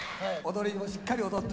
踊りもしっかり踊って。